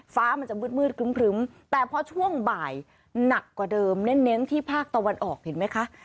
ฟ้ามันจะมืดครึ้มแต่พอช่วงบ่ายหนักกว่าเดิมเน้นที่ภาคตะวันออกเห็นไหมคะ